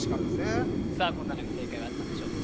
さあこの中に正解はあったんでしょうか